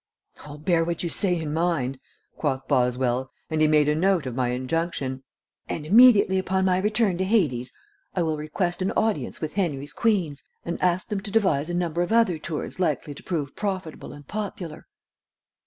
"I'll bear what you say in mind," quoth Boswell, and he made a note of my injunction. "And immediately upon my return to Hades I will request an audience with Henry's queens, and ask them to devise a number of other tours likely to prove profitable and popular."